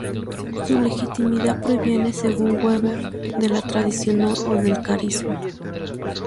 Su legitimidad proviene según Weber de la tradición o del carisma.